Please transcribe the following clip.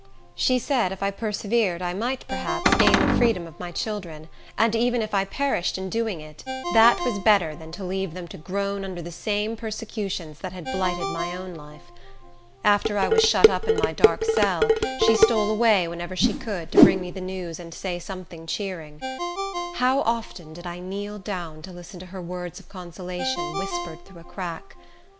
She said if I persevered I might, perhaps, gain the freedom of my children; and even if I perished in doing it, that was better than to leave them to groan under the same persecutions that had blighted my own life. After I was shut up in my dark cell, she stole away, whenever she could, to bring me the news and say something cheering. How often did I kneel down to listen to her words of consolation, whispered through a crack!